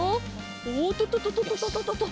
おっとととととととと。